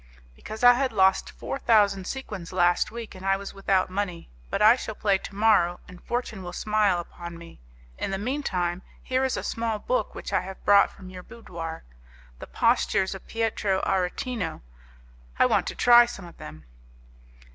"Because I had lost four thousand sequins last week and I was without money, but I shall play to morrow, and fortune will smile upon me. In the mean time, here is a small book which I have brought from your boudoir: the postures of Pietro Aretino; I want to try some of them."